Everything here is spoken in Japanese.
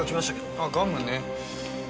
あっガムね。